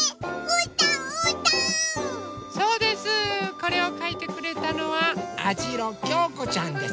これをかいてくれたのはあじろきょうこちゃんです。